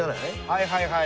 はいはいはい。